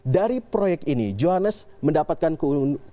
dari proyek ini johannes mendapatkan keuntungan